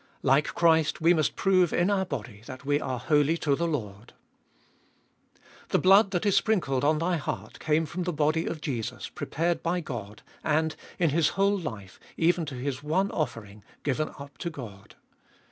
Like Christ we must prove in our body that we are holy to the Lord. The blood that is sprinkled on thy heart came from the body of Jesus, prepared by God, and, in His whole life, even to His one offering, given up to God.